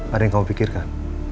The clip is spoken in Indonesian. ada yang kamu pikirkan